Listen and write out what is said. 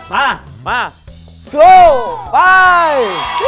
มามาสู้ไป